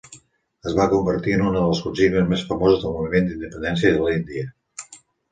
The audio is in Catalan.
Es va convertir en una de les consignes més famoses del Moviment d'independència de l'Índia.